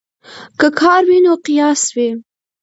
که کار وي نو قیاس وي.